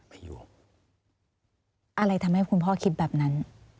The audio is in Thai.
อะไรทำให้คุณพ่อคิดแบบนั้น